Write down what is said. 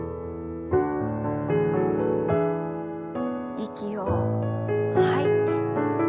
息を吐いて。